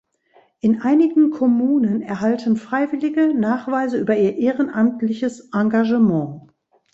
In einigen Kommunen erhalten Freiwillige Nachweise über ihr ehrenamtliches Engagement.